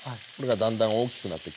だんだん大きくなってきます。